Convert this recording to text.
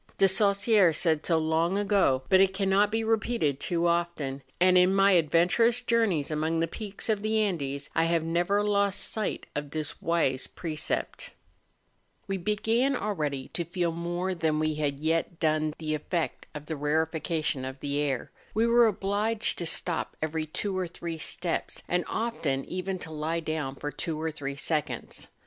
I)e Saussure said so long ago, but it cannot be repeated too often ; and in my adven¬ turous journeys among the peaks of the Andes I have never lost sight of this wise precept. 298 MOUNTAIN ADVENTUEES. We began already to feel more than we had yet done the effect of the rarefaction of the air; we were obliged to stop ever}^ two or three steps, and often even to lie down for two or three seconds.